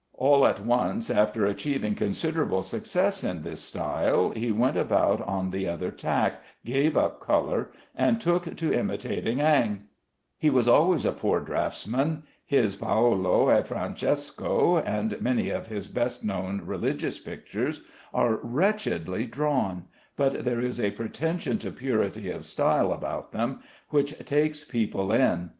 All at once (after achieving considerable success in this style) he went about on the other tack, gave up color, and took to imitating Ingres. He was always a poor draughtsman. His "Paolo and Francesco," and many of his best known religious pictures, are wretchedly drawn, but there is a pretension to purity of style about them which takes people in.